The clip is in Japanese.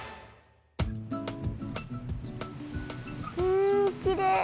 うんきれい。